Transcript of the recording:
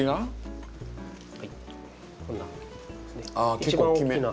あ結構大きめな。